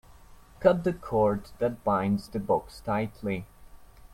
Cut the cord that binds the box tightly.